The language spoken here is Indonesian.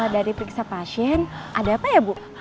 dari periksa pasien ada apa ya bu